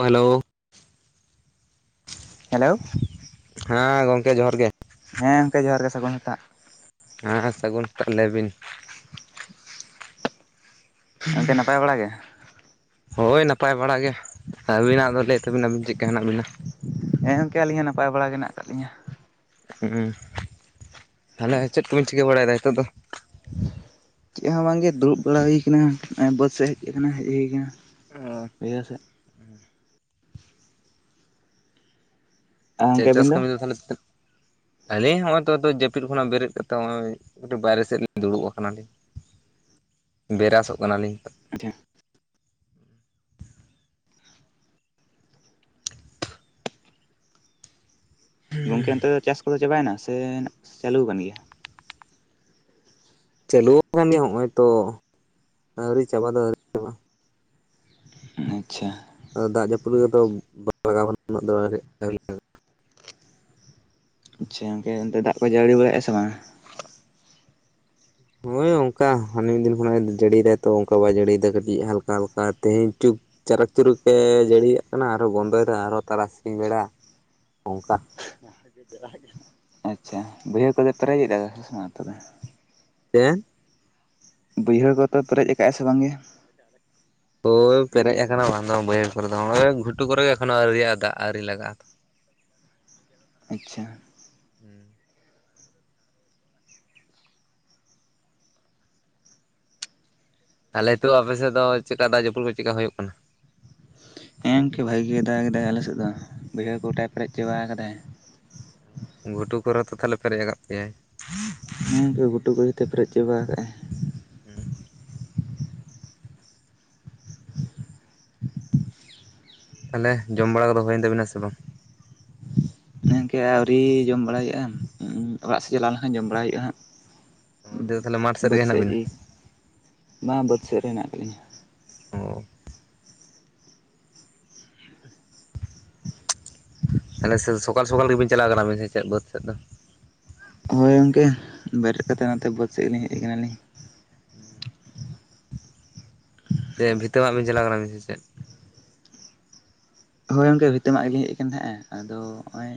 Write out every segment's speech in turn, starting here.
Hello hello ᱦᱮᱸ ᱜᱚᱢᱠᱮ ᱡᱚᱦᱟᱨ ᱜᱮ᱾ ᱦᱮᱸ ᱜᱚᱢᱠᱮ ᱡᱚᱦᱟᱨ ᱜᱮ ᱥᱟᱹᱜᱩᱱ ᱥᱮᱛᱟᱜ᱾ ᱦᱮᱸ ᱥᱟᱹᱜᱩᱱ ᱥᱮᱛᱟᱜ ᱞᱟᱹᱭ ᱵᱤᱱ᱾ ᱜᱚᱝᱠᱮ ᱱᱟᱯᱟᱭ ᱵᱟᱲᱟ ᱜᱮ [unintelligible] ᱦᱳᱭ ᱱᱟᱯᱟᱭ ᱵᱟᱲᱟ ᱜᱮ ᱟᱹᱵᱤᱱᱟᱜ ᱫᱚ ᱞᱟᱹᱭ ᱛᱟᱹᱵᱤᱱ ᱟᱹᱵᱤᱱ ᱪᱮᱫ ᱞᱮᱠᱟ ᱦᱮᱱᱟᱜ ᱵᱤᱱᱟ? ᱦᱮᱸ ᱜᱚᱢᱠᱮ ᱟᱹᱞᱤᱧ ᱦᱚᱸ ᱱᱟᱯᱟᱭ ᱵᱟᱲᱟ ᱜᱮ ᱦᱮᱱᱟᱜ ᱠᱟᱜ ᱞᱤᱧᱟ᱾ ᱦᱩᱸ ᱛᱟᱦᱚᱞᱮ ᱪᱮᱫ ᱠᱚᱵᱤᱱ ᱪᱤᱠᱟᱹ ᱵᱟᱲᱟᱭᱮᱫᱟ ᱱᱤᱛᱟᱜ ᱫᱚ? ᱪᱮᱫ ᱦᱚᱸ ᱵᱟᱝᱜᱮ ᱫᱩᱲᱩᱵ ᱵᱟᱲᱟ ᱦᱩᱭ ᱠᱟᱱᱟ ᱱᱚᱜᱼᱚᱭ ᱵᱟᱹᱫ ᱥᱮᱫ ᱦᱮᱡ ᱠᱟᱱᱟ ᱦᱮᱡ ᱦᱩᱭ ᱠᱟᱱᱟ [unintelligible] ᱥᱮᱫᱼᱼ ᱟᱨ ᱪᱮᱜ ᱜᱚᱝᱠᱮ ᱪᱟᱥ ᱟᱹᱵᱤᱱ ᱠᱟᱹᱢᱤ ᱫᱚ ᱛᱟᱦᱚᱞᱮ ᱟᱞᱮ ᱦᱚᱸᱜᱼᱚᱭ ᱛᱚ ᱡᱟᱹᱯᱤᱫ ᱠᱷᱚᱱᱟᱜ ᱵᱮᱨᱮᱫ ᱠᱟᱛᱮ ᱱᱚᱜᱼᱚᱭᱼᱼ ᱠᱟᱹᱴᱤᱡ ᱵᱟᱭᱨᱮ ᱥᱮᱫ ᱞᱤᱧ ᱫᱩᱲᱩᱵ ᱠᱟᱱᱟ ᱞᱤᱧ ᱵᱮᱨᱟᱥᱚᱜ ᱠᱟᱱᱟ ᱞᱤᱧ᱾ ᱟᱪᱪᱷᱟ᱾ ᱜᱚᱢᱠᱮ ᱚᱱᱛᱮ ᱫᱚ ᱪᱟᱥ ᱠᱚᱫᱚ ᱪᱟᱵᱟᱭᱮᱱᱟ ᱥᱮ ᱪᱟᱹᱞᱩᱣᱟᱠᱟ ᱜᱮᱭᱟ ᱪᱟᱹᱞᱩᱣ ᱟᱠᱟᱱ ᱜᱮᱭᱟ ᱦᱚᱜᱼᱚᱭ ᱛᱚ ᱟᱣᱨᱤ ᱪᱟᱵᱟ ᱫᱚᱼᱼ ᱟᱪᱪᱷᱟ ᱫᱟᱜ ᱡᱟᱹᱯᱩᱫ ᱜᱮᱛᱚ [unintelligible] ᱟᱪᱪᱷᱟ ᱜᱚᱢᱠᱮ ᱚᱱᱛᱮ ᱫᱟᱜ ᱠᱚ ᱡᱟᱹᱲᱤ ᱵᱟᱲᱟᱭᱮᱜᱼᱟ ᱥᱮ ᱵᱟᱝ ᱦᱳᱭ ᱚᱱᱠᱟ ᱦᱟᱱᱮ ᱢᱤᱫ ᱫᱤᱱ ᱠᱷᱚᱱᱮ ᱡᱟᱹᱲᱤᱭ ᱫᱟᱭ ᱛᱚ ᱚᱱᱠᱟ ᱵᱟᱭ ᱡᱟᱹᱲᱤᱭᱮᱫᱟ ᱠᱟᱹᱴᱤᱡ ᱦᱟᱞᱠᱟ ᱦᱟᱞᱠᱟ ᱛᱮᱦᱮᱧ ᱪᱩᱯᱼᱼ ᱪᱟᱨᱟᱠ ᱪᱩᱨᱩᱠᱮ ᱡᱟᱹᱲᱤᱭᱟᱜ ᱠᱟᱱᱟ ᱟᱨᱚ ᱵᱚᱱᱫᱚᱭᱮᱫᱟ ᱟᱨᱚ ᱛᱟᱨᱟᱥᱤᱝ ᱵᱮᱲᱟ ᱚᱝᱠᱟ [unintelligible] ᱟᱪᱪᱷᱟ ᱵᱟᱹᱭᱦᱟᱹᱲ ᱠᱚᱫᱚ ᱯᱮᱨᱮᱡ ᱮᱫᱟ ᱢᱟ ᱛᱚᱵᱮ, [unintelligible] ᱵᱟᱹᱭᱦᱟᱹᱲ ᱠᱚ ᱛᱚ ᱯᱮᱨᱮᱡ ᱟᱠᱟᱜ ᱥᱮ ᱵᱟᱝᱜᱮ? ᱦᱳᱭ ᱯᱮᱨᱮᱡ ᱟᱠᱟᱱᱟ ᱵᱟᱝᱫᱚ ᱵᱟᱹᱭᱦᱟᱹᱲ ᱠᱚᱨᱮ ᱫᱚ ᱦᱚᱜᱼᱚᱭ ᱜᱷᱩᱴᱩ ᱠᱚᱨᱮ ᱜᱮ ᱮᱠᱷᱚᱱᱳ ᱟᱹᱣᱨᱤᱭᱟᱜᱼᱟ ᱫᱟᱜ ᱟᱹᱣᱨᱤ ᱞᱟᱜᱟᱜᱼᱟ᱾ ᱟᱪᱪᱷᱟ ᱦᱮᱸ ᱛᱟᱦᱚᱞᱮ ᱛᱚ ᱟᱯᱮᱥᱮᱫ ᱫᱚ ᱪᱮᱫᱠᱟ ᱫᱟᱜ ᱡᱟᱹᱯᱩᱫ ᱠᱚ ᱪᱮᱫᱠᱟ ᱦᱩᱭᱩᱜ ᱠᱟᱱᱟ ᱦᱮᱸ ᱜᱚᱢᱠᱮ ᱵᱷᱟᱹᱜᱤ ᱜᱮ ᱫᱟᱜ ᱠᱮᱫᱟᱭ ᱟᱞᱮᱥᱮᱫ ᱫᱚ ᱵᱟᱹᱭᱦᱟᱹᱲ ᱠᱚ ᱜᱚᱴᱟᱭ ᱯᱮᱨᱮᱡ ᱪᱟᱵᱟ ᱟᱠᱟᱫᱟᱭ ᱜᱷᱩᱴᱩ ᱠᱚᱨᱮ ᱛᱚ ᱛᱟᱦᱚᱞᱮ ᱯᱮᱨᱮᱡ ᱟᱠᱟᱫ ᱯᱮᱭᱟᱭ ᱦᱩᱸ ᱜᱮ ᱜᱷᱩᱴᱩ ᱠᱚᱨᱮ ᱫᱚᱭ ᱯᱮᱨᱮᱡ ᱪᱟᱵᱟ ᱟᱠᱟᱜᱼᱟᱭ ᱛᱟᱦᱚᱞᱮ ᱡᱚᱢ ᱵᱟᱲᱟ ᱠᱚᱫᱚ ᱦᱩᱭᱮᱱ ᱛᱟᱵᱤᱱᱟ ᱥᱮ ᱵᱟᱝ ᱦᱤᱱᱠᱮ ᱟᱣᱨᱤ ᱡᱚᱢ ᱵᱟᱲᱟ ᱦᱩᱭᱩᱜᱼᱟ ᱚᱲᱟᱜ ᱥᱮᱫ ᱪᱟᱞᱟᱣ ᱞᱮᱱᱠᱷᱟᱱ ᱡᱚᱢ ᱵᱟᱲᱟᱭ ᱦᱩᱭᱩᱜᱼᱟ ᱦᱟᱸᱜ ᱱᱤᱛᱚᱜ ᱫᱚ ᱛᱟᱦᱚᱞᱮ ᱢᱟᱴᱷ ᱵᱟᱹᱛ ᱨᱮᱜᱮ ᱦᱮᱱᱟᱜ ᱥᱮᱫ ᱵᱤᱱᱟ? ᱨᱮ ᱵᱟᱝ ᱵᱟᱹᱛ ᱥᱮᱫ ᱨᱮ ᱦᱮᱱᱟᱜ ᱠᱤᱱᱟ [unintelligible] ᱦᱟᱱᱮ ᱥᱮ ᱥᱚᱠᱟᱞ ᱥᱚᱠᱟᱞ ᱜᱮᱵᱤᱱ ᱪᱟᱞᱟᱣ ᱠᱟᱱᱟ ᱟᱵᱤᱱ ᱥᱮ ᱪᱮᱫ ᱵᱟᱹᱫ ᱥᱮᱫ ᱫᱚ ᱦᱳᱭ ᱜᱚᱝᱠᱮ ᱵᱮᱨᱮᱫ ᱠᱟᱛᱮᱫ ᱱᱚᱛᱮ ᱵᱟᱹᱛ ᱥᱮᱫ ᱜᱮᱞᱤᱧ ᱦᱮᱡ ᱟᱠᱟᱱᱟᱞᱤᱧ ᱦᱮᱸ ᱥᱮ ᱵᱷᱤᱛᱟᱹ ᱢᱟᱜ ᱵᱤᱱ ᱪᱟᱞᱟᱣ ᱠᱟᱱᱟ ᱥᱮ ᱪᱮᱫ ᱦᱳᱭ ᱜᱚᱝᱠᱮ ᱵᱷᱤᱛᱟᱹ ᱢᱟᱜ ᱜᱤᱧ ᱦᱮᱡ ᱟᱠᱟᱱ ᱛᱟᱦᱮᱫ-ᱟ ᱟᱫᱚ ᱱᱚᱜ-ᱚᱭ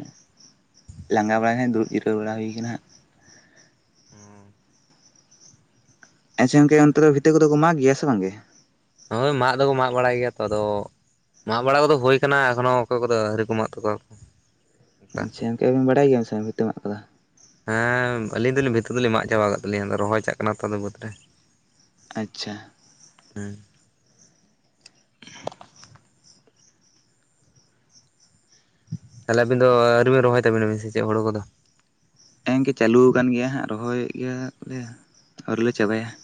ᱞᱟᱸᱜᱟ ᱵᱟᱲᱟᱭ ᱱᱟᱹᱧ ᱫᱩᱲᱩᱵ ᱡᱤᱨᱟᱹᱣ ᱵᱟᱲᱟ ᱦᱩᱭᱟ ᱠᱟᱱᱟ ᱦᱟᱸᱜ ᱾ ᱟᱪᱪᱷᱟ ᱜᱚᱝᱠᱮ ᱚᱱᱛᱮ ᱨᱮ ᱵᱷᱤᱛᱟᱹ ᱠᱚᱫᱚ ᱠᱚ ᱢᱟᱜ ᱜᱮᱭᱟ ᱥᱮ ᱵᱟᱝᱜᱮ ᱦᱳᱭ ᱢᱟᱜ ᱫᱚᱠᱚ ᱢᱟᱜ ᱵᱟᱲᱟᱭ ᱜᱮᱭᱟ ᱛᱚ ᱟᱫᱚ ᱢᱟᱜ ᱵᱟᱲᱟ ᱠᱚᱫᱚ ᱦᱳᱭ ᱟᱠᱟᱱᱟ ᱮᱠᱷᱚᱱᱚ ᱚᱠᱚᱭ ᱠᱚᱫᱚ ᱟᱹᱣᱨᱤ ᱠᱚ ᱢᱟᱜ ᱛᱟᱠᱚᱣᱟ ᱠᱚ ᱚᱱᱠᱟ ᱟᱪᱪᱷᱟ ᱜᱚᱝᱠᱮ ᱠᱟᱹᱢᱤ ᱵᱟᱰᱟᱭ ᱜᱮᱭᱟ ᱵᱤᱱ ᱥᱮ ᱵᱷᱤᱛᱟᱹ ᱢᱟᱜ ᱠᱚᱫᱚ ᱦᱮᱸ ᱟᱹᱞᱤᱧ ᱫᱚᱞᱤᱧ ᱵᱷᱤᱛᱟᱹ ᱫᱚᱞᱤᱧ ᱢᱟᱜ ᱪᱟᱵᱟ ᱟᱠᱟᱫ ᱛᱟᱹᱞᱤᱧᱟ ᱟᱫᱚ ᱨᱚᱦᱚᱭ ᱪᱟᱜ ᱠᱟᱱᱟ ᱛᱚ ᱟᱫᱚ ᱵᱟᱹᱫᱽ ᱨᱮ ᱟᱪᱪᱷᱟ ᱦᱮᱸ, ᱛᱟᱦᱚᱞᱮ ᱟᱵᱤᱱ ᱫᱚ ᱟᱹᱣᱨᱤ ᱵᱤᱱ ᱨᱚᱦᱚᱭ ᱛᱟᱵᱤᱱᱟᱵᱤᱱ ᱥᱮ ᱪᱮᱫ ᱦᱩᱲᱩ ᱠᱚᱫᱚ ᱦᱮ ᱮᱝᱠᱮ ᱪᱟᱞᱩ ᱟᱠᱟᱱ ᱜᱮᱭᱟ ᱦᱟᱸᱜ ᱨᱚᱦᱚᱭ ᱮᱫ ᱜᱮᱭᱟᱞᱮ ᱟᱹᱣᱨᱤᱞᱮ ᱪᱟᱵᱟᱭᱟ ᱾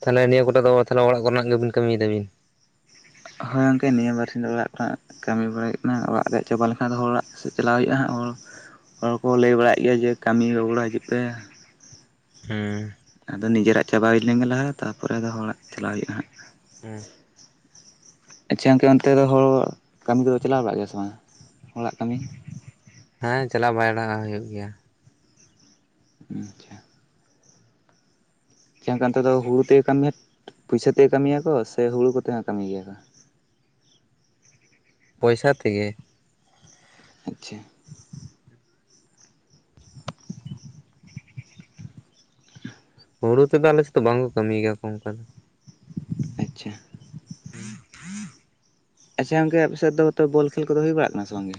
ᱛᱟᱦᱚᱞᱮ ᱱᱤᱭᱟᱹ ᱠᱚᱴᱟ ᱫᱚ ᱛᱟᱦᱚᱞᱮ ᱚᱲᱟᱜ ᱠᱚᱨᱮᱱᱟᱜ ᱜᱮᱵᱤᱱ ᱠᱟᱹᱢᱤᱭ ᱫᱟᱵᱤᱱ ᱦᱳᱭ ᱜᱚᱝᱠᱮ ᱱᱤᱭᱟᱹ ᱵᱟᱨ ᱥᱤᱧ ᱫᱚ ᱚᱲᱟᱜ ᱠᱚᱨᱮᱱᱟᱜ ᱠᱟᱢᱤ ᱵᱟᱲᱟ ᱦᱩᱭᱩᱜ ᱠᱟᱱᱟ ᱚᱲᱟᱜ ᱨᱮᱭᱟᱜ ᱪᱟᱵᱟ ᱞᱮᱱᱠᱷᱟᱱ ᱫᱚ ᱦᱚᱲᱟᱜ ᱥᱮᱫ ᱪᱟᱞᱟᱣ ᱦᱩᱭᱩᱜᱼᱟ ᱦᱟᱸᱜ ᱦᱚᱲ ᱦᱚᱲ ᱠᱚ ᱞᱟᱹᱭ ᱵᱟᱲᱟᱭᱮᱫ ᱜᱮᱭᱟ ᱡᱮ ᱠᱟᱢᱤ ᱨᱚᱜᱚᱲᱟ ᱦᱤᱡᱩᱜ ᱯᱮ ᱦᱮᱸ, ᱟᱫᱚ ᱱᱤᱡᱮᱨᱟᱜ ᱪᱟᱵᱟ ᱦᱩᱭ ᱞᱮᱱᱜᱮ ᱞᱟᱦᱟ ᱛᱟᱯᱚᱨᱮ ᱟᱫᱚ ᱦᱚᱲᱟᱜ ᱪᱟᱞᱟᱣ ᱦᱩᱭᱩᱜᱼᱟ, ᱦᱟᱸᱜ ᱟᱪᱪᱷᱟ ᱜᱚᱝᱠᱮ ᱚᱱᱛᱮ ᱫᱚ ᱦᱚᱲ ᱠᱟᱢᱤ ᱠᱚᱫᱚ ᱪᱟᱞᱟᱣ ᱜᱮᱭᱟ ᱥᱮ ᱵᱟᱝ ᱦᱚᱲᱟᱜ ᱠᱟᱢᱤ ᱦᱮᱸ ᱪᱟᱞᱟᱜᱣ ᱵᱟᱭᱰᱟᱜ ᱦᱩᱭᱩᱜ ᱜᱮᱭᱟ, ᱟᱪᱪᱷᱟ, ᱪᱮᱠᱟᱱ ᱚᱱᱛᱮ ᱫᱚ ᱦᱩᱲᱩ ᱛᱮ ᱠᱟᱹᱢᱤᱭᱟ ᱯᱩᱭᱥᱟᱹ ᱛᱮ ᱠᱟᱹᱢᱤᱭᱟᱠᱚ ᱥᱮ ᱦᱩᱲᱩ ᱠᱚᱛᱮ ᱦᱚ ᱠᱟᱹᱢᱤ ᱜᱮᱭᱟ ᱠᱚ? ᱯᱚᱭᱥᱟ ᱛᱮᱜᱮ᱾ ᱟᱪᱪᱷᱟ, [inaudible] ᱦᱩᱲᱩ ᱛᱮᱫᱚ ᱟᱞᱮᱥᱮᱫ ᱫᱚ ᱵᱟᱝᱠᱚ ᱠᱟᱹᱢᱤ ᱜᱮᱭᱟᱠᱚ ᱚᱱᱠᱟ ᱫᱚ᱾ ᱟᱪᱪᱷᱟ, [inaudible] ᱟᱪᱪᱷᱟ ᱜᱚᱝᱠᱮ ᱟᱯᱮ ᱥᱮᱫ ᱫᱚ ᱵᱚᱞ ᱠᱷᱮᱞ ᱠᱚᱫᱚ ᱦᱩᱭ ᱵᱟᱲᱟᱜ ᱠᱟᱱᱟ ᱥᱮ ᱵᱟᱝᱜᱮ?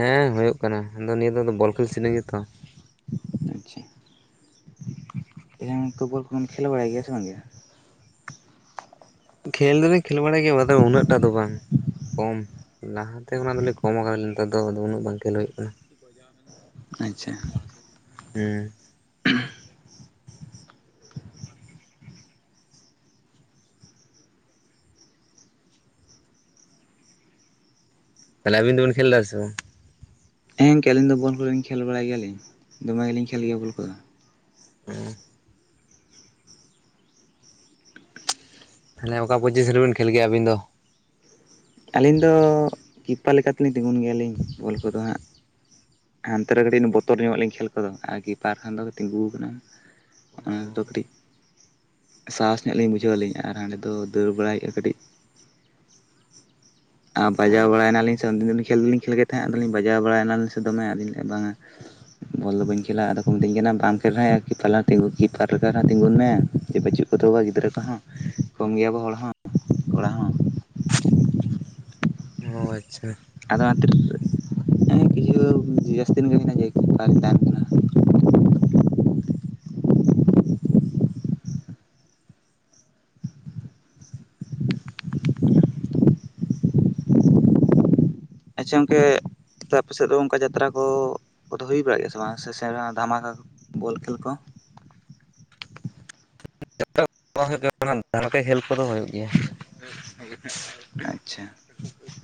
ᱦᱮᱸ ᱦᱩᱭᱩᱜ ᱠᱟᱱᱟ ᱟᱫᱚ ᱱᱤᱭᱟᱹ ᱫᱚ ᱵᱚᱞ ᱠᱷᱮᱞ [unintelligible] ᱜᱮᱛᱚ, ᱟᱪᱪᱷᱟ ᱛᱮᱦᱮᱧ [unintelligible] [unintelligible] ᱵᱚᱞ ᱠᱚᱫᱚᱢ ᱠᱷᱮᱞ ᱵᱟᱲᱟᱭ ᱜᱮᱭᱟ ᱥᱮ ᱵᱟᱝᱜᱮ? ᱠᱷᱮᱞ ᱫᱚᱞᱮᱧ ᱠᱷᱮᱞ ᱵᱟᱲᱟᱭ ᱜᱮᱭᱟ ᱩᱱᱟᱹᱜ ᱴᱟ ᱫᱚ ᱵᱟᱝ ᱠᱚᱢ᱾ ᱞᱟᱦᱟ, ᱛᱮ ᱚᱱᱟ ᱫᱚᱞᱮ ᱠᱚᱢ ᱟᱠᱟᱫᱞᱤᱧ ᱱᱮᱛᱟᱨ ᱫᱚ ᱩᱱᱟᱹᱜ ᱵᱟᱝ ᱠᱷᱮᱞ ᱦᱩᱭᱩᱜ ᱠᱟᱱᱟ᱾ ᱟᱪᱪᱷᱟ, ᱦᱩᱸ, [unintelligible] ᱛᱟᱦᱚᱞᱮ ᱟᱵᱤᱱ ᱫᱚᱵᱤᱱ ᱠᱷᱮᱞ ᱫᱟᱥᱮ ᱵᱟᱝ? ᱦᱮᱸ ᱜᱚᱝᱠᱮ ᱟᱹᱞᱤᱧ ᱫᱚ ᱵᱚᱞ ᱠᱚᱫᱚᱞᱤᱧ ᱠᱷᱮᱞ ᱵᱟᱲᱟᱭ ᱜᱮᱭᱟᱞᱤᱧ ᱫᱚᱢᱮ ᱜᱮᱞᱤᱧ ᱠᱷᱮᱞ ᱜᱮᱭᱟ ᱵᱚᱞ ᱠᱚᱫᱚ᱾ ᱦᱸ, ᱛᱟᱦᱚᱞᱮ ᱚᱠᱟ ᱯᱚᱡᱤᱥᱮᱱ ᱨᱮᱵᱮᱱ ᱠᱷᱮᱞ ᱜᱮᱭᱟ ᱟᱹᱵᱤᱱ ᱫᱚ? ᱟᱹᱞᱤᱧ ᱫᱚ ᱠᱤᱯᱟᱨ ᱞᱮᱠᱟᱛᱮᱞᱤᱧ ᱛᱤᱸᱜᱩᱱ ᱜᱮᱭᱟᱞᱤᱧ ᱵᱚᱞ ᱠᱚᱫᱚ ᱦᱟᱸᱜ᱾ ᱦᱟᱱᱛᱮ ᱨᱮ ᱠᱟᱹᱴᱤᱡ ᱵᱚᱛᱚᱨ ᱧᱚᱜ ᱟᱞᱤᱧ ᱠᱷᱮᱞ ᱠᱚᱫᱚ ᱠᱤᱯᱟᱨ ᱠᱷᱟᱱ ᱫᱚ ᱛᱤᱸᱜᱩ ᱟᱠᱟᱱᱟ᱾ ᱟᱫᱚ ᱠᱟᱹᱴᱤᱡ ᱥᱟᱸᱦᱚᱥ ᱧᱚᱜ ᱞᱤᱧ ᱵᱩᱡᱷᱟᱹᱣᱟ ᱞᱤᱧ᱾ ᱟᱨ ᱦᱟᱸᱰᱮ ᱫᱚ ᱫᱟᱹᱲ ᱵᱟᱲᱟᱭ ᱦᱩᱭᱩᱜᱼᱟ ᱠᱟᱹᱴᱤᱡ᱾ ᱟᱨ ᱵᱟᱡᱟᱣ ᱵᱟᱲᱟᱭᱱᱟᱞᱤᱧ ᱥᱮ ᱩᱱ ᱫᱤᱱ ᱫᱚ ᱠᱷᱮᱞ ᱫᱚᱞᱤᱧ ᱠᱷᱮᱞ ᱜᱮ ᱛᱟᱦᱮᱸᱫ ᱟᱫᱚᱞᱤᱧ ᱵᱟᱡᱟᱣ ᱵᱟᱲᱟᱭᱱᱟᱞᱤᱧ ᱥᱮ ᱫᱚᱢᱮ ᱟᱫᱚ ᱞᱟᱹᱭᱮᱫᱼᱟ ᱵᱟᱝᱟ ᱵᱚᱞ ᱫᱚ ᱵᱟᱹᱧ ᱠᱷᱮᱞᱟ᱾ ᱟᱫᱚ ᱠᱚ ᱢᱤᱛᱟᱹᱧ ᱠᱟᱱᱟ ᱵᱟᱢ ᱠᱷᱮᱞ ᱨᱮ ᱦᱚᱸ ᱠᱤᱯᱟᱨ ᱛᱤᱸᱜᱩᱱ ᱢᱮ ᱡᱮ ᱵᱟᱹᱪᱩᱜ [unintelligible] ᱜᱤᱫᱽᱨᱟᱹ ᱠᱚᱦᱚᱸ᱾ ᱠᱚᱢ ᱜᱮᱭᱟᱵᱚ ᱦᱚᱲ ᱦᱚᱸ ᱠᱚᱲᱟ ᱦᱚᱸ᱾ ᱚ ᱟᱪᱪᱷᱟ, ᱟᱫᱚ ᱚᱱᱟ ᱠᱷᱟᱛᱤᱨ ᱠᱤᱪᱷᱩ ᱡᱟᱹᱥᱛᱤ ᱫᱤᱱ ᱜᱮ ᱡᱮ ᱠᱤᱯᱟᱨᱤᱧ ᱛᱟᱦᱮᱸᱱ ᱠᱟᱱᱟ᱾ [inaudible] [inaudible] ᱟᱪᱪᱷᱟ ᱜᱚᱢᱠᱮ ᱛᱟᱦᱞᱮ ᱟᱯᱮ ᱥᱮᱫ ᱫᱚ ᱚᱱᱠᱟ ᱡᱟᱛᱽᱨᱟ ᱠᱚ ᱫᱚ ᱦᱩᱭ ᱵᱟᱲᱟᱜ ᱜᱮᱭᱟ ᱥᱮ ᱵᱟᱝ? ᱥᱮ ᱥᱮ ᱫᱷᱟᱢᱟᱠᱟ ᱵᱚᱞ ᱠᱷᱮᱞ ᱠᱚ? [unintelligible] ᱫᱷᱟᱢᱟᱠᱟ ᱠᱷᱮᱞ ᱠᱚᱫᱚ ᱦᱩᱭᱩᱜ ᱜᱮᱭᱟ᱾ ᱟᱪᱪᱷᱟ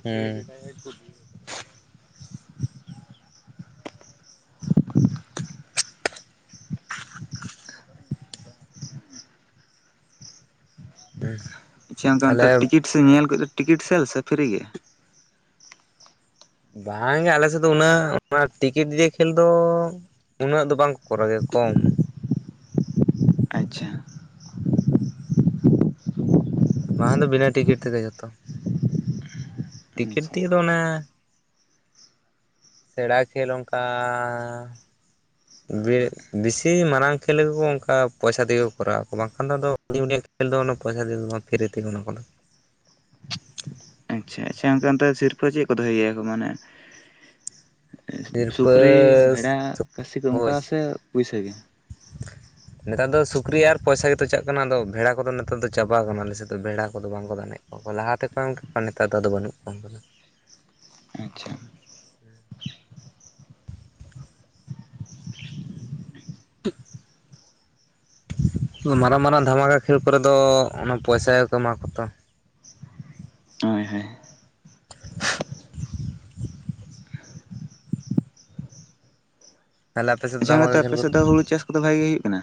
ᱦᱩᱸ, ᱦᱮᱸ, ᱟᱪᱪᱷᱟ ᱚᱱᱠᱟ ᱴᱤᱠᱤᱴ ᱥᱮ ᱧᱮᱞ ᱠᱚ ᱴᱤᱠᱤᱴ ᱥᱮᱞ ᱥᱮ ᱯᱷᱤᱨᱤ ᱜᱮ? ᱵᱟᱝᱜᱮ ᱟᱞᱮ ᱥᱮᱫ ᱫᱚ ᱩᱱᱟᱹᱜ ᱚᱱᱟ ᱴᱤᱠᱤᱴ ᱫᱤᱭᱮ ᱠᱷᱮᱞ ᱫᱚ ᱩᱱᱟᱹᱜ ᱫᱚ ᱵᱟᱝᱠᱚ ᱠᱚᱨᱟᱣ ᱜᱮᱭᱟ ᱠᱚᱢ᱾ ᱟᱪᱪᱷᱟ, [inaudible] ᱵᱟᱝᱠᱷᱟᱱ ᱫᱚ ᱵᱤᱱᱟᱹ ᱴᱤᱠᱤᱴ ᱛᱮᱜᱮ ᱡᱷᱚᱛᱚ᱾ ᱴᱤᱠᱤᱴ ᱟᱪᱪᱷᱟ ᱫᱤᱭᱮ ᱫᱚ ᱚᱱᱮ ᱥᱮᱬᱟ ᱠᱷᱮᱞ ᱚᱱᱠᱟ ᱵᱮᱲᱮ ᱵᱤᱥᱤ ᱢᱟᱨᱟᱝ ᱠᱷᱮᱞ ᱜᱮᱠᱚ ᱚᱱᱠᱟ ᱯᱚᱭᱥᱟ ᱛᱮᱜᱮ ᱠᱚ ᱠᱚᱨᱟᱣ ᱟᱠᱚ, ᱵᱟᱝᱠᱷᱟᱱ ᱫᱚ ᱟᱫᱚ [inaudible] ᱠᱷᱮᱞ ᱫᱚ ᱚᱱᱟ ᱯᱚᱭᱥᱟ ᱫᱤᱭᱟᱹ ᱫᱚ ᱵᱟᱝ ᱯᱷᱤᱨᱤ ᱛᱮᱜᱮ ᱚᱱᱟ ᱠᱚ ᱫᱚ᱾ ᱟᱪᱪᱷᱟ, ᱟᱪᱪᱷᱟ ᱜᱚᱝᱠᱮ ᱚᱱᱛᱮ ᱥᱤᱨᱯᱟᱹ ᱪᱮᱫ ᱠᱚ ᱫᱚᱦᱚᱭ ᱜᱮᱭᱟ ᱠᱚ ᱢᱟᱱᱮ ᱥᱤᱨᱯᱟᱹ ᱥᱩᱠᱨᱤ, ᱵᱷᱮᱰᱟ, ᱠᱟᱹᱥᱤ ᱠᱚ ᱚᱱᱠᱟ ᱦᱳᱭ ᱥᱮ ᱯᱩᱭᱥᱟᱹ ᱜᱮ? [inaudible] ᱱᱮᱛᱟᱨ ᱫᱚ ᱥᱩᱠᱨᱤ ᱟᱨ ᱯᱚᱭᱥᱟ ᱜᱮᱛᱚ ᱪᱟᱜ ᱠᱟᱱᱟ, ᱟᱫᱚ ᱵᱷᱮᱲᱟ ᱠᱚᱫᱚ ᱱᱮᱛᱟᱨ ᱫᱚ ᱪᱟᱵᱟ ᱟᱠᱟᱱᱟ ᱟᱞᱮ ᱥᱮᱫ ᱫᱚ ᱵᱷᱮᱲᱟ ᱠᱚᱫᱚ ᱵᱟᱝᱠᱚ ᱫᱟᱱᱮᱜ ᱠᱚᱣᱟ ᱠᱚ ᱞᱟᱦᱟ ᱛᱮᱠᱚ [inaudible] ᱱᱮᱛᱟᱨ ᱫᱚ ᱟᱫᱚ ᱵᱟᱹᱱᱩᱜ ᱠᱚᱣᱟ ᱩᱱᱠᱩ ᱠᱚ᱾ ᱟᱪᱪᱷᱟ᱾ [inaudible] ᱢᱟᱨᱟᱝ ᱢᱟᱨᱟᱝ ᱫᱷᱟᱢᱟᱠᱟ ᱠᱷᱮᱞ ᱠᱚᱨᱮ ᱫᱚ ᱚᱱᱟ ᱯᱚᱭᱥᱟ ᱜᱮᱠᱚ ᱮᱢᱟ ᱠᱚᱣᱟ ᱛᱚ᱾ ᱦᱳᱭ ᱦᱳᱭ᱾ ᱛᱟᱦᱚᱞᱮ ᱟᱯᱮ ᱥᱮᱫ ᱟᱪᱪᱷᱟ ᱫᱷᱟᱢᱟᱠᱟ ᱱᱮᱛᱟᱨ ᱠᱷᱮᱞ ᱟᱯᱮ ᱠᱚ ᱥᱮᱫ ᱫᱚ ᱦᱩᱲᱩ ᱪᱟᱥ ᱠᱚᱫᱚ ᱵᱷᱟᱜᱮ ᱜᱮ ᱦᱩᱭᱩᱜ ᱠᱟᱱᱟ?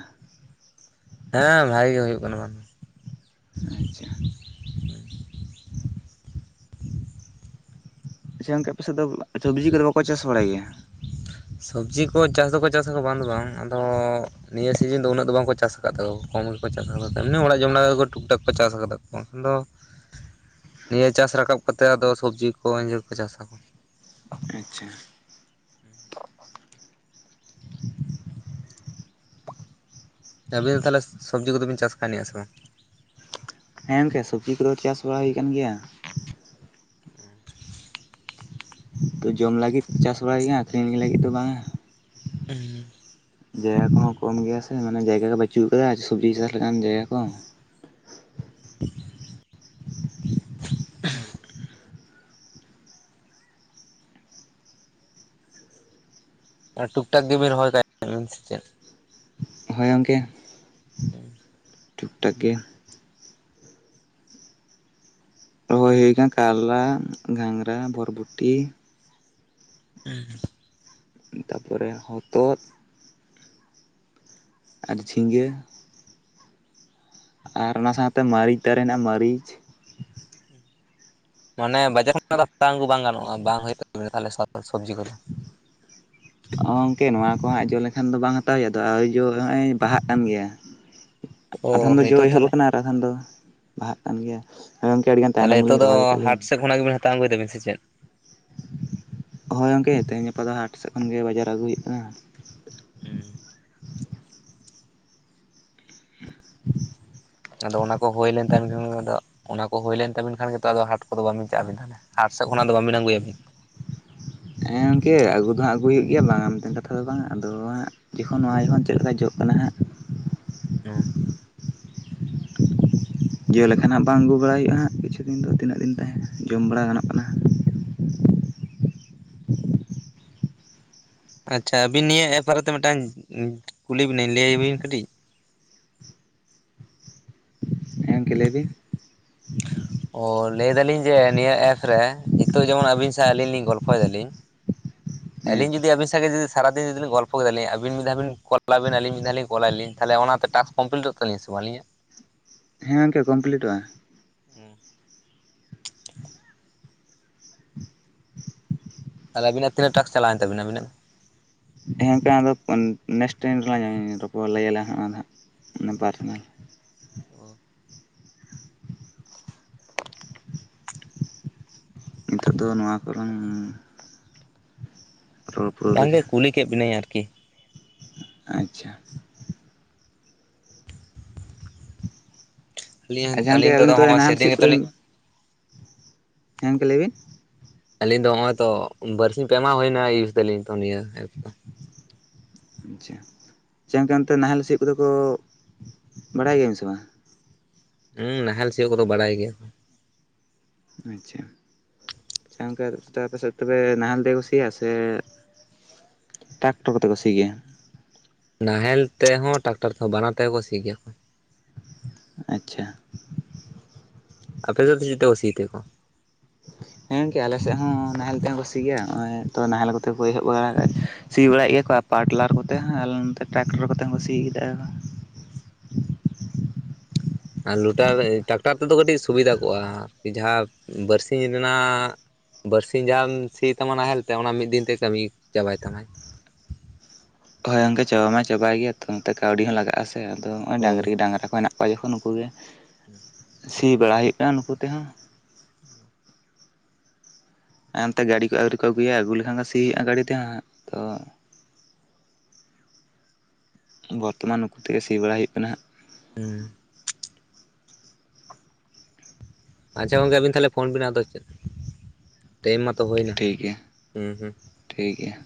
ᱦᱮᱸ ᱵᱷᱟᱜᱮ ᱜᱮ ᱦᱩᱭᱩᱜ ᱠᱟᱱᱟ, [inaudible] ᱟᱪᱪᱷᱟ᱾ ᱟᱪᱪᱷᱟ ᱜᱚᱝᱠᱮ ᱟᱯᱮ ᱥᱮᱫ ᱫᱚ ᱥᱚᱵᱽᱡᱤ ᱠᱚᱫᱚ ᱵᱟᱠᱚ ᱪᱟᱥ ᱵᱟᱲᱟᱭ ᱜᱮᱭᱟ? ᱥᱚᱵᱽᱡᱤ ᱠᱚ ᱪᱟᱥ ᱫᱚᱠᱚ ᱪᱟᱥ ᱟᱠᱚ ᱵᱟᱝ ᱫᱚ ᱵᱟᱝ ᱟᱫᱚ ᱱᱤᱭᱟᱹ ᱥᱤᱡᱤᱱ ᱫᱚ ᱩᱱᱟᱹᱜ ᱫᱚ ᱵᱟᱝᱠᱚ ᱪᱟᱥ ᱟᱠᱟᱫ ᱫᱚ, ᱠᱚᱢ ᱜᱮ ᱠᱚ ᱪᱟᱥ ᱟᱠᱟᱫᱟ ᱛᱮᱢᱱᱤ ᱚᱲᱟᱜ ᱡᱚᱢ ᱞᱮᱠᱟᱜᱮ ᱴᱩᱠ ᱴᱟᱠ ᱠᱚ ᱪᱟᱥ ᱟᱠᱟᱫᱟ ᱠᱚ ᱵᱟᱝᱠᱷᱟᱱ ᱫᱚ ᱱᱤᱭᱟᱹ ᱪᱟᱥ ᱨᱟᱠᱟᱵ ᱠᱟᱛᱮ ᱟᱫᱚ ᱥᱚᱵᱽᱡᱤ ᱠᱚ ᱤᱭᱟᱹ ᱠᱚ ᱪᱟᱥᱟᱠᱚ᱾ ᱟᱪᱪᱷᱟ᱾ ᱟᱹᱵᱤᱱ ᱫᱚ ᱛᱟᱦᱚᱞᱮ ᱥᱚᱵᱽᱡᱤ ᱠᱚ ᱫᱚ ᱵᱤᱱ ᱪᱟᱥ ᱠᱟᱣᱱᱤᱡ ᱟ ᱥᱮ ᱵᱟᱝ? ᱦᱮᱸ ᱜᱚᱝᱠᱮ ᱥᱚᱵᱽᱡᱤ ᱠᱚ ᱫᱚ ᱪᱟᱥ ᱵᱟᱲᱟ ᱦᱩᱭ ᱟᱠᱟᱱ ᱜᱮᱭᱟ᱾ ᱛᱚ ᱡᱚᱢ ᱞᱟᱹᱜᱤᱫ ᱪᱟᱥ ᱵᱟᱲᱟᱭ ᱜᱮᱭᱟ ᱟᱠᱷᱨᱤᱧᱞᱤ ᱞᱟᱹᱜᱤᱫ ᱫᱚ ᱵᱟᱝᱟ᱾ [unintelligible] ᱡᱟᱭᱜᱟ ᱠᱚᱦᱚᱸ ᱠᱚᱢ ᱜᱮᱭᱟ ᱥᱮ ᱢᱟᱱᱮ ᱡᱟᱭᱜᱟ ᱜᱮ ᱵᱟᱹᱪᱩᱜ ᱟᱠᱟᱫᱟ, ᱥᱚᱵᱽᱡᱤ ᱪᱟᱥ ᱞᱮᱠᱟᱱ ᱡᱟᱭᱜᱟ ᱠᱚ᱾ [inaudible] ᱚᱱᱟ ᱴᱩᱠ ᱴᱟᱠ [inaudible] ᱨᱚᱦᱚᱭ [inaudible] ᱥᱮ ᱪᱮᱫ? ᱦᱮᱸ ᱜᱚᱝᱜᱮ᱾ [inaudible] ᱴᱩᱠ ᱴᱟᱠ ᱜᱮ᱾ ᱨᱚᱦᱚᱭ ᱦᱳᱭ ᱠᱟᱱᱟ ᱠᱟᱞᱞᱟ, ᱜᱷᱟᱸᱜᱨᱟ, ᱵᱚᱨᱵᱩᱚᱴᱤ᱾ ᱩᱸ᱾ ᱛᱟᱯᱚᱨᱮ ᱦᱚᱛᱚᱫ, ᱟᱨ ᱡᱷᱤᱝᱜᱟᱹ᱾ ᱟᱨ ᱚᱱᱟ ᱥᱟᱶᱛᱮ ᱢᱟᱹᱨᱤᱪ ᱫᱟᱨᱮ ᱦᱮᱱᱟᱜ-ᱟ ᱢᱟᱹᱨᱤᱪ᱾ ᱢᱟᱱᱮ ᱵᱟᱡᱟᱨ ᱠᱷᱚᱱᱟᱜ ᱫᱚ [inaudible] ᱵᱟᱝ ᱜᱟᱱᱚᱜᱼᱟ ᱵᱟᱝ [inaudible] ᱥᱟᱠ ᱥᱚᱵᱽᱡᱤ ᱠᱚᱫᱚ᱾ ᱚ ᱜᱚᱝᱠᱮ ᱱᱚᱣᱟ ᱠᱚ ᱦᱟᱸᱜ ᱡᱚ ᱞᱮᱱᱠᱷᱟᱱ ᱫᱚ ᱵᱟᱝ ᱦᱟᱛᱟᱣ ᱦᱩᱭᱩᱜᱼᱟ ᱟᱫᱚ [inaudible] ᱡᱚᱦᱚᱸᱜᱼᱚᱭ ᱵᱟᱦᱟᱜ ᱠᱟᱱ ᱜᱮᱭᱟ᱾ ᱟᱫᱷᱟᱱ ᱚ ᱫᱚ ᱡᱚ ᱱᱤᱛᱚᱜ ᱮᱦᱚᱵ ᱛᱟᱦᱚᱞᱮ ᱟᱠᱟᱱᱟ ᱟᱨ ᱟᱫᱷᱟᱱ ᱫᱚ ᱵᱟᱦᱟᱜ ᱠᱟᱱ ᱜᱮᱭᱟ᱾ ᱦᱮᱸ ᱜᱚᱝᱠᱮ ᱟᱹᱰᱤ ᱜᱟᱱ ᱛᱟᱭᱱᱚᱢ ᱞᱤᱧ ᱨᱚᱦᱚᱭ ᱠᱟᱜ-ᱟ ᱞᱤᱧ᱾ ᱛᱮ ᱠᱷᱚᱱᱟᱜ ᱜᱮᱵᱤᱱ ᱦᱟᱛᱟᱣ ᱟᱸᱜᱩᱭ ᱮᱫᱟᱵᱤᱱ ᱥᱮ ᱪᱮᱫ? ᱦᱳᱭ ᱜᱚᱝᱠᱮ ᱛᱮᱦᱮᱧ ᱜᱟᱯᱟ ᱫᱚ ᱦᱟᱴ ᱥᱮᱫ ᱠᱷᱚᱱ ᱜᱮ ᱵᱟᱡᱟᱨ ᱟᱹᱜᱩ ᱦᱩᱭᱩᱜ ᱠᱟᱱᱟ᱾ ᱩᱸ᱾ [inaudible] ᱟᱫᱚ ᱚᱱᱟ ᱠᱚ ᱦᱳᱭ ᱞᱮᱱ ᱛᱟᱵᱤᱱ ᱠᱷᱟᱱ ᱜᱮ ᱟᱫᱚ, ᱚᱱᱟ ᱠᱚ ᱦᱳᱭ ᱞᱮᱱ ᱛᱟᱵᱮᱱ ᱠᱷᱟᱱ ᱜᱮᱛᱚ ᱟᱫᱚ ᱦᱟᱴ ᱠᱚᱫᱚ ᱵᱟᱵᱤᱱ ᱪᱟᱜ-ᱟ ᱟᱵᱤᱱ ᱛᱟᱞᱦᱮ᱾ ᱦᱟᱴ ᱥᱮᱫ ᱠᱷᱚᱱᱟᱜ ᱫᱚ ᱵᱟᱵᱤᱱ ᱟᱹᱜᱩᱭᱟ ᱵᱤᱱ᱾ ᱦᱮᱸ ᱜᱚᱝᱠᱮ ᱟᱹᱜᱩ ᱫᱚ ᱦᱟᱸᱜ ᱟᱹᱜᱩᱭ ᱦᱩᱭᱩᱜ ᱜᱮᱭᱟ ᱵᱟᱝᱟ ᱢᱮᱱᱛᱮ ᱠᱟᱛᱷᱟ ᱫᱚ ᱵᱟᱝᱟ, ᱟᱫᱚ ᱦᱟᱸᱜ ᱡᱚᱠᱷᱚᱱ ᱟᱭᱡ ᱦᱚᱸ ᱪᱮᱫ ᱞᱮᱠᱟ ᱡᱚᱜ ᱠᱟᱱᱟ ᱦᱟᱸᱜ᱾ ᱚ ᱾ ᱡᱚ ᱞᱮᱠᱷᱟᱱ ᱦᱟᱸᱜ ᱵᱟᱝ ᱟᱹᱜᱩ ᱵᱟᱲᱟ ᱦᱩᱭᱩᱜᱼᱟ ᱦᱟᱸᱜ ᱠᱤᱪᱷᱩ ᱫᱤᱱ ᱫᱚ ᱛᱤᱱᱟᱹᱜ ᱫᱤᱱ ᱛᱟᱦᱮᱸ ᱡᱚᱢ ᱵᱟᱲᱟ ᱜᱟᱱᱚᱜ ᱠᱟᱱᱟ ᱦᱟᱸᱜ᱾ ᱟᱪᱪᱷᱟ ᱟᱹᱵᱤᱱ ᱱᱤᱭᱟᱹ ᱮᱯ ᱵᱟᱨᱮᱛᱮ ᱢᱤᱫᱴᱟᱝ ᱠᱩᱞᱤ ᱵᱤᱱᱟ ᱞᱟᱹᱭᱭᱟᱵᱤᱱ ᱠᱟᱹᱴᱤᱡ ᱦᱮᱸ ᱜᱚᱝᱠᱮ ᱞᱟᱹᱭᱵᱤᱱ? ᱚ ᱞᱟᱹᱭᱫᱟᱞᱤᱧ ᱡᱮ ᱱᱤᱭᱟᱹ ᱮᱯᱥ ᱨᱮ ᱱᱤᱛᱚᱜ ᱡᱮᱢᱚᱱ ᱟᱹᱵᱤᱱ ᱥᱟᱶ ᱟᱹᱞᱤᱧ ᱞᱤᱧ ᱜᱚᱞᱯᱷᱚᱭ ᱮᱫᱟᱞᱤᱧ ᱦᱮᱸ ᱟᱹᱞᱤᱧ ᱡᱩᱫᱤ ᱟᱹᱵᱤᱱ ᱥᱟᱜ ᱥᱟᱨᱟ ᱫᱤᱱ ᱡᱩᱫᱤ ᱜᱚᱞᱯᱚ ᱠᱮᱫᱟᱞᱤᱧ ᱟᱵᱤᱱ ᱢᱤᱫ ᱫᱷᱟᱣ ᱵᱤᱱ ᱠᱚᱞᱟᱵᱤᱱ ᱟᱞᱤᱧ ᱢᱤᱫ ᱫᱷᱟᱣᱞᱤᱧ ᱠᱚᱞᱮᱫᱞᱤᱧ ᱛᱟᱦᱚᱞᱮ ᱚᱱᱟᱛᱮ ᱴᱟᱥ ᱠᱚᱢᱯᱞᱤᱴᱚᱜ ᱛᱟᱹᱞᱤᱧᱟ ᱥᱮ ᱵᱟᱝᱞᱤᱧᱟ᱾ ᱦᱮᱸ ᱜᱚᱝᱠᱮ ᱠᱚᱢᱯᱞᱤᱴᱚᱜᱼᱟ᱾ ᱛᱟᱦᱮᱞᱮ ᱟᱹᱵᱤᱱᱟᱜ ᱛᱤᱱᱟᱹᱜ ᱴᱟᱠᱥ ᱪᱟᱞᱟᱣᱮᱱ ᱛᱟᱵᱤᱱᱟ ᱟᱵᱤᱱᱟᱜ᱾ ᱦᱮᱸ ᱜᱚᱝᱠᱮ ᱟᱫᱚ ᱱᱮᱠᱥᱴ ᱴᱟᱭᱤᱢ ᱨᱮᱞᱟᱝ ᱨᱚᱯᱚᱲ ᱞᱟᱹᱭᱟᱞᱮ ᱦᱟᱸᱜ ᱦᱟᱸᱜ ᱯᱟᱨᱥᱚᱱᱟᱞ ᱚ ᱾ ᱱᱤᱛᱟᱹᱜ ᱫᱚ ᱱᱚᱣᱟ ᱠᱚᱨᱮ ᱞᱮᱜᱮ ᱵᱟᱝᱜᱮ ᱠᱩᱞᱤ ᱠᱮᱫ ᱵᱤᱱᱟᱹᱧ ᱟᱨᱠᱤ᱾ ᱟᱪᱪᱷᱟ ᱾ ᱟᱹᱞᱤᱧ ᱟᱪᱪᱷᱟ ᱜᱚᱝᱠᱮ ᱟᱹᱞᱤᱧ ᱟᱹᱵᱤᱱ ᱛᱚ ᱛᱮᱫᱚᱜᱼᱚᱭ ᱱᱟᱦᱮᱞ ᱥᱮᱫᱤᱱ ᱥᱤᱭᱳᱜ ᱜᱮᱛᱚᱞᱤᱧ ᱦᱮ ᱜᱚᱢᱠᱮ ᱞᱟᱹᱭᱵᱤᱱ ᱾ ᱟᱹᱞᱤᱧ ᱫᱚ ᱱᱚᱜᱚᱭ ᱛᱚ ᱵᱟᱨᱥᱤᱧ ᱯᱮᱢᱟ ᱦᱩᱭᱮᱱᱟ ᱤᱭᱩᱡᱽ ᱮᱟᱞᱤᱧ ᱛᱚ ᱱᱤᱭᱟᱹ ᱮᱯ ᱫᱚ᱾ ᱟᱪᱪᱷᱟ ᱜᱚᱢᱠᱮ ᱚᱱᱛᱮ ᱱᱟᱦᱮᱞ ᱥᱤ ᱠᱚᱫᱚ ᱠᱚ ᱵᱟᱲᱟᱭ ᱜᱤᱭᱟᱹ‌ ᱵᱤᱱ ᱥᱮ ᱵᱟᱝ᱾ ᱦᱩᱸ ᱱᱟᱦᱮᱞ ᱥᱤᱭᱚᱜ ᱠᱚᱫᱚ ᱵᱟᱲᱟᱭ ᱜᱮᱭᱟ᱾ ᱟᱪᱪᱷᱟ ᱾ ᱦᱮ ᱜᱚᱝᱠᱮ ᱚᱱᱛᱮ ᱛᱚᱵᱮ ᱱᱟᱦᱮᱞ ᱛᱮ ᱠᱚ ᱥᱤᱭᱟ ᱠᱚ ᱥᱮ ᱴᱨᱟᱠᱴᱚᱨ ᱛᱮ ᱠᱚ ᱥᱤ ᱜᱮᱭᱟ᱾ ᱱᱟᱦᱮᱞ ᱛᱮᱦᱚᱸ ᱴᱟᱠᱴᱟᱨ ᱛᱮᱦᱚᱸ ᱵᱟᱱᱟᱨ ᱛᱮᱦᱚᱸ ᱠᱚ ᱥᱤ ᱜᱮᱭᱟ ᱠᱚ᱾ ᱟᱪᱪᱷᱟ ᱾ ᱟᱯᱮ ᱫᱚ ᱪᱮᱫ ᱛᱮᱠᱚ ᱥᱤᱭᱟ ᱠᱚ᱾ ᱦᱮᱸ ᱜᱚᱝᱠᱮ ᱟᱞᱮ ᱥᱮᱫ ᱦᱚᱸ ᱱᱟᱦᱮᱞ ᱛᱮ ᱦᱚᱸ ᱠᱚ ᱥᱤ ᱜᱮᱭᱟ ᱱᱚᱜᱼᱚᱭ ᱛᱚ ᱱᱟᱦᱮᱞ ᱠᱚᱛᱮ ᱠᱚ ᱮᱦᱚᱵ ᱵᱟᱲᱟ ᱥᱤ ᱵᱟᱲᱟᱭᱮᱫ ᱜᱮᱭᱟ ᱠᱚ ᱟᱨ ᱯᱟᱣᱟᱨ ᱴᱤᱞᱟᱨ ᱠᱚᱛᱮ ᱦᱚᱸ ᱟᱨ ᱱᱚᱛᱮ ᱴᱨᱟᱠᱴᱚᱨ ᱠᱚᱛᱮ ᱦᱚᱸᱠᱚ ᱥᱤ ᱠᱮᱫᱟ᱾ ᱟᱨ ᱞᱩᱴᱟᱨᱤ ᱴᱨᱟᱠᱴᱟᱨ ᱛᱮᱫᱚ ᱠᱟᱹᱴᱤᱡ ᱥᱩᱵᱤᱫᱷᱟ ᱠᱚᱜᱼᱟ ᱟᱨᱠᱤ ᱡᱟᱦᱟᱸ ᱵᱟᱨᱥᱤᱧ ᱨᱮᱱᱟᱜ ᱵᱟᱨᱥᱤᱧ ᱡᱟᱦᱟᱢ ᱥᱤᱭ ᱛᱟᱢᱟ ᱱᱟᱦᱮᱞ ᱛᱮ ᱚᱱᱟ ᱢᱤᱫ ᱫᱤᱱ ᱛᱮ ᱠᱟᱹᱢᱤ ᱪᱟᱵᱟᱭ ᱛᱟᱢᱟᱭ ᱾ ᱦᱳᱭ ᱜᱚᱝᱠᱮ ᱪᱟᱵᱟᱭ ᱢᱟ ᱪᱟᱵᱟᱭ ᱜᱮᱭᱟ ᱛᱚ ᱱᱚᱱᱛᱮ ᱠᱟᱹᱣᱰᱤ ᱦᱚᱸ ᱞᱟᱜᱼᱟ ᱥᱮ ᱟᱫᱚ ᱱᱚᱜᱼᱚᱭ ᱰᱟᱹᱝᱨᱤ ᱰᱟᱝᱨᱟ ᱦᱮᱱᱟᱜ ᱾ ᱚᱠᱟ ᱡᱚᱠᱷᱚᱱ ᱠᱩᱞᱮ ᱦᱮᱸ ᱾ ᱥᱤ ᱵᱟᱲᱟᱭ ᱦᱩᱭᱩᱜ ᱠᱟᱱᱟ ᱱᱩᱠᱩ ᱛᱮᱦᱚᱸ ᱾ ᱛᱟᱭᱚᱢ ᱛᱮ ᱜᱟᱹᱰᱤ ᱠᱚ ᱟᱹᱣᱨᱤ ᱠᱚ ᱟᱹᱜᱩᱭᱟ ᱟᱹᱜᱩ ᱞᱮᱠᱷᱟᱱ ᱜᱮ ᱥᱤ ᱦᱩᱭᱩᱜᱼᱟ ᱜᱟᱹᱰᱤ ᱛᱮ ᱦᱟᱸᱜ ᱛᱚ ᱾ ᱵᱚᱨᱛᱚᱢᱟᱱ ᱱᱩᱠᱩ ᱛᱮᱜᱮ ᱥᱤ ᱵᱟᱲᱟᱭ ᱦᱩᱭᱩᱜ ᱠᱟᱱᱟ ᱦᱟᱸᱜ ᱾ ᱦᱮᱸ ᱾ ᱟᱪᱪᱷᱟ ᱜᱚᱝᱠᱮ ᱟᱵᱤᱱ ᱛᱟᱦᱚᱞᱮ ᱯᱷᱳᱱ ᱯᱮ ᱵᱮᱱᱟ ᱟᱫᱚ ᱪᱮᱫ ᱴᱟᱭᱤᱢ ᱢᱟᱛᱚ ᱦᱩᱭᱱᱟ ᱴᱷᱤᱠ ᱜᱮᱭᱟ ᱦᱩᱸ ᱦᱩᱸ ᱾ ᱴᱷᱤᱠ ᱜᱮᱭᱟ ᱾